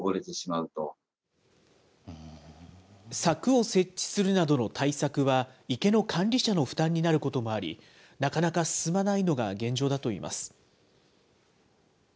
柵を設置するなどの対策は、池の管理者の負担になることもあり、なかなか進まないのが現状だといいます。